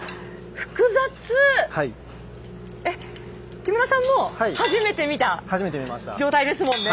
木村さんも初めて見た状態ですもんね。